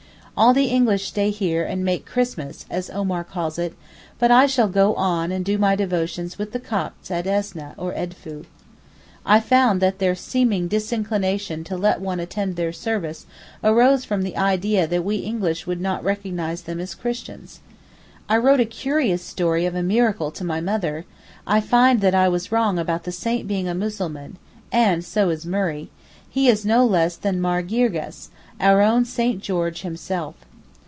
All the English stay here and 'make Christmas,' as Omar calls it, but I shall go on and do my devotions with the Copts at Esneh or Edfou. I found that their seeming disinclination to let one attend their service arose from an idea that we English would not recognise them as Christians. I wrote a curious story of a miracle to my mother, I find that I was wrong about the saint being a Mussulman (and so is Murray); he is no less than Mar Girghis, our own St. George himself.